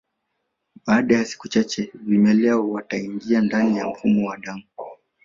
Baada ya siku chache vimelea wataingia ndani ya mfumo wa damu